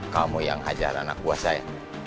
kamu yang hajar anak buah saya